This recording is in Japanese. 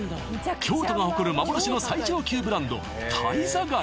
京都が誇る幻の最上級ブランド間人